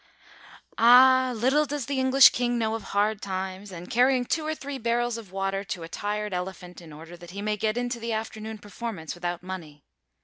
Ah, little does the English king know of hard times and carrying two or three barrels of water to a tired elephant in order that he may get into the afternoon performance without money.